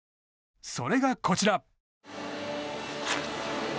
それがこちら。